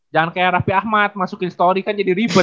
jangan kayak rafi ahmad masukin story kan jadi river